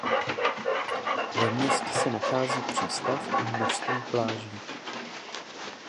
Ve městě se nachází přístav a množství pláží.